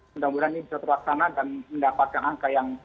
pendamporan ini bisa terlaksana dan mendapatkan angka yang